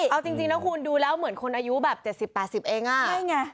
เอาจริงนะคุณดูแล้วเหมือนคนอายุแบบ๗๐๘๐เองอ่ะใช่ไง